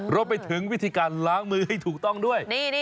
รวมไปถึงวิธีการล้างมือให้ถูกต้องด้วย